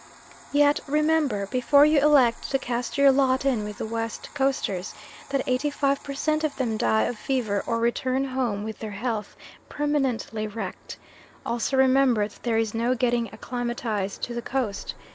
Yet remember, before you elect to cast your lot in with the West Coasters, that 85 per cent. of them die of fever or return home with their health permanently wrecked. Also remember that there is no getting acclimatised to the Coast.